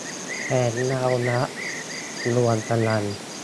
แสงเงารัก - ดวงตะวัน